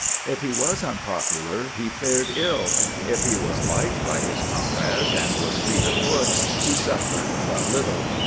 If he was unpopular he fared ill ; if he was liked by his comrades and was fleet of foot he suffered but little.